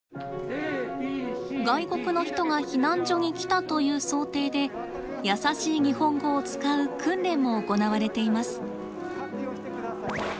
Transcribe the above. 外国の人が避難所に来たという想定で「やさしい日本語」を使う訓練も行われています。